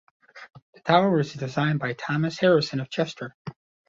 The tower was designed by Thomas Harrison of Chester.